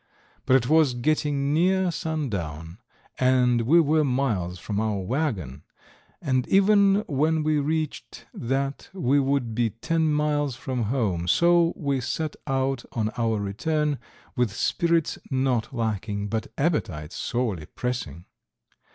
But it was getting near sundown and we were miles from our wagon, and even when we reached that we would be ten miles from home, so we set out on our return with spirits not lacking, but appetites sorely pressing.